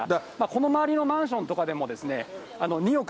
この周りのマンションとかでも、２億、３億